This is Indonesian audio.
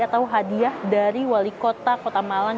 atau hadiah dari wali kota kota malang